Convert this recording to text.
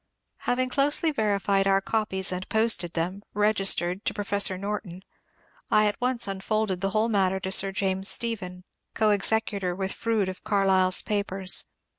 Having closely verified our copies and posted them, registered, to Professor Norton, I at once unfolded the whole matter to Sir James Stephen, — coexecutor with Froude of Carlyle's papers.